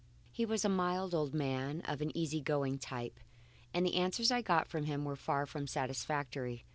He was a mild old man of the easy going type, and the answers I got from him were far from satisfactory.